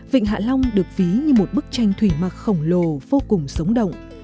vịnh hạ long được ví như một bức tranh thủy mặc khổng lồ vô cùng sống động